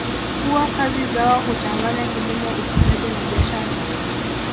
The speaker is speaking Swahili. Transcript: Huwa kazi zao huchachanganya kilimo ufugaji na biashara